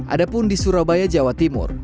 ada pun di surabaya jawa timur